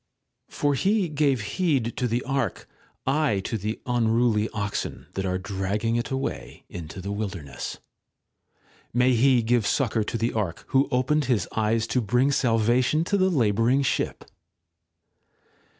For he gave heed to the Ark, I to the unruly oxen that are dragging it away into the wilderness. May He give succour to the Ark, who opened his eyes to bring salvation to the labouring ship